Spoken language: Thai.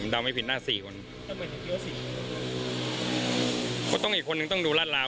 เดาไม่ผิดน่าสี่คนต้องอีกคนนึงต้องดูราดราว